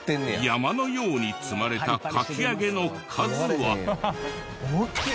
山のように積まれたかき揚げの数は。